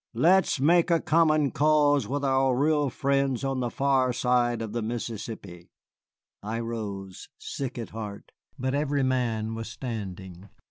Let us make a common cause with our real friends on the far side of the Mississippi." I rose, sick at heart, but every man was standing.